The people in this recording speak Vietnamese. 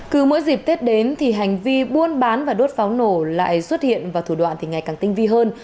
cứ mỗi dịp tết đến thì hành vi buôn bán và đốt pháo nổ lại xuất hiện và thủ đoạn thì ngày càng tinh vi hơn